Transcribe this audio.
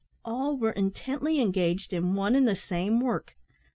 All were intently engaged in one and the same work.